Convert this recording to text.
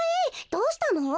どうしたの？